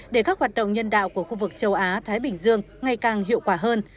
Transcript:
để các hoạt động nhân đạo của khu vực châu á thái bình dương ngày càng hiệu quả hơn